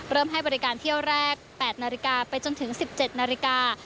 ให้บริการเที่ยวแรก๘นาฬิกาไปจนถึง๑๗นาฬิกา